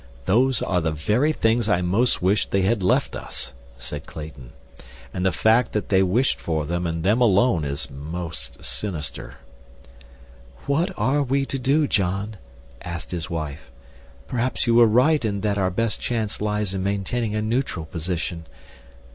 "Those are the very things I most wish they had left us," said Clayton, "and the fact that they wished for them and them alone is most sinister." "What are we to do, John?" asked his wife. "Perhaps you were right in that our best chance lies in maintaining a neutral position.